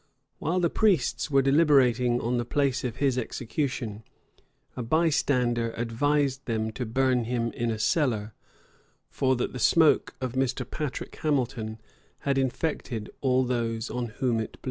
While the priests were deliberating on the place of his execution, a bystander advised them to burn him in a cellar; for that the smoke of Mr. Patrick Hamilton had infected all those on whom it blew.